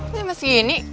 kenapa lo masih gini